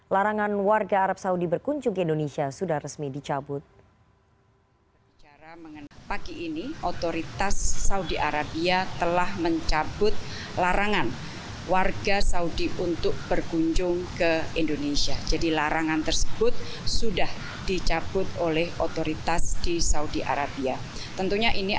larangan warga arab saudi berkunjung ke indonesia sudah resmi dicabut